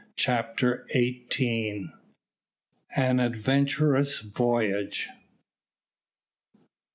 CHAPTER EIGHTEEN. AN ADVENTUROUS VOYAGE.